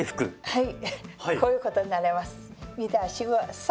はい。